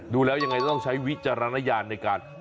ดูแล้วยังไงต้องใช้วิจารณญาณในการ